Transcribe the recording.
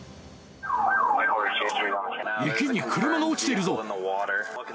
池に車が落ちてるぞ。